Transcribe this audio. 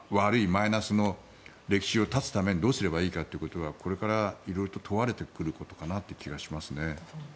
マイナスの歴史を断つためにどうすればいいかということがこれから色々と問われてくる気がしますね。